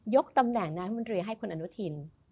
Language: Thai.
ยกตำแหน่งนายมันริยให้คุณอนุทิน